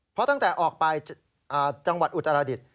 เพราะตั้งแต่ออกไปจังหวัดอุตรดิษฐ